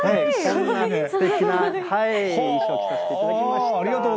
すてきな衣装を着させていただきました。